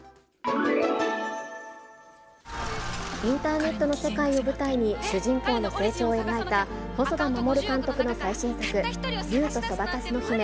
インターネットの世界を舞台に、主人公の成長を描いた細田守監督の最新作、竜とそばかすの姫。